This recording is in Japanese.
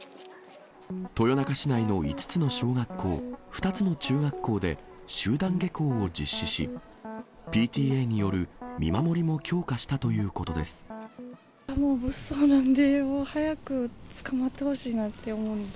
豊中市内の５つの小学校、２つの中学校で、集団下校を実施し、ＰＴＡによる見守りも強化したということです。